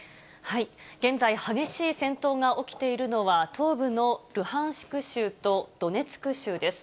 現在、激しい戦闘が起きているのは、東部のルハンシク州とドネツク州です。